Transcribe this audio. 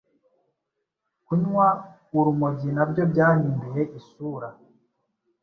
Kunywa urumogi na byo byahinduye isura,